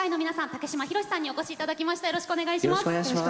竹島宏さんにお越しいただきました。